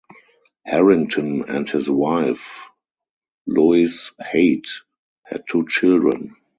Herrington and his wife, Lois Haight, had two children.